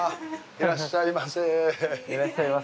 いらっしゃいませ。